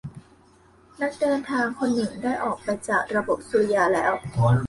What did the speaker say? นักเดินทางคนหนึ่งได้ออกไปจากระบบสุริยะแล้ว